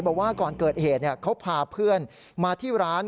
บอกว่าก่อนเกิดเหตุเขาพาเพื่อนมาที่ร้าน